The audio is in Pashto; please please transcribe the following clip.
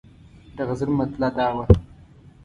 د غزل مطلع دا وه.